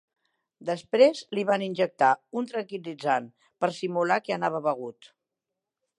Després li van injectar un tranquil·litzant, per simular que anava begut.